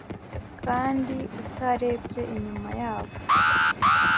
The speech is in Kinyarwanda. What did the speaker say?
Kandi utarebye inyuma yabo